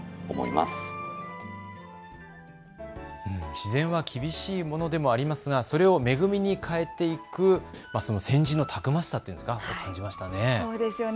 自然は厳しいものでもありますがそれを恵みに変えていくその先人のたくましさ、感じましたね。